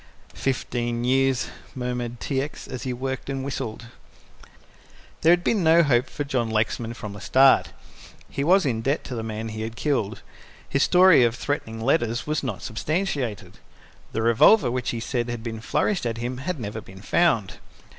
"Fifteen years," murmured T. X., as he worked and whistled. There had been no hope for John Lexman from the start. He was in debt to the man he killed. His story of threatening letters was not substantiated. The revolver which he said had been flourished at him had never been found.